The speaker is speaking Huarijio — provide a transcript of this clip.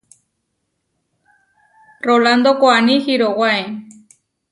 Rolando koʼáni hirówae.